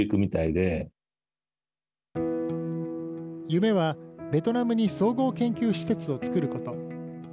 夢はベトナムに総合研究施設を作ること。